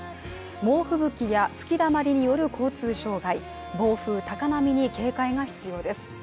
猛吹雪や吹きだまりによる交通障害暴風、高波に警戒が必要です。